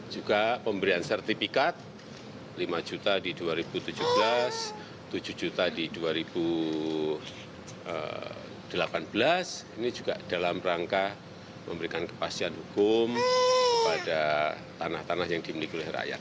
juga pemberian sertifikat lima juta di dua ribu tujuh belas tujuh juta di dua ribu delapan belas ini juga dalam rangka memberikan kepastian hukum kepada tanah tanah yang dimiliki oleh rakyat